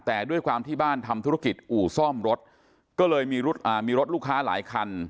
แต่ด้วยความที่บ้านทำธุรกิจอู่ซ่อมรถก็เลยมีรถอ่ามีรถลูกค้าหลายคัน